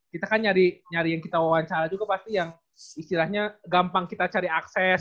kita kan nyari yang kita wawancara juga pasti yang istilahnya gampang kita cari akses